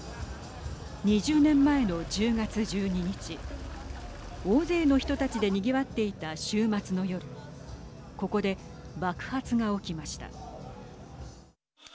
２０年前の１０月１２日大勢の人たちでにぎわっていた週末の夜ここで爆発が起きました。